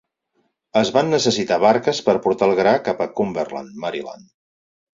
Es van necessitar barques per portar el gra cap a Cumberland, Maryland.